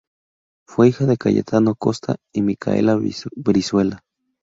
Fue hija de Cayetano Costa y Micaela Brizuela.